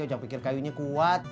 ojak pikir kayunya kuat